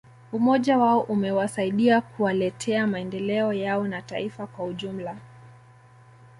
Umoja wao umewasaidia kuwaletea maendeleo yao na ya taifa kwa ujumla